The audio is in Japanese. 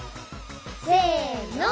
せの。